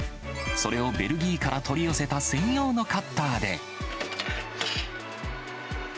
それをベルギーから取り寄せた専用のカッターで。